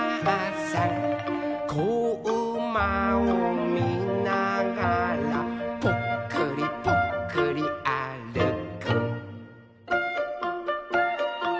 「こうまをみながらぽっくりぽっくりあるく」